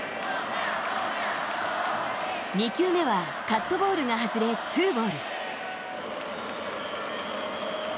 ２球目は、カットボールが外れツーボール。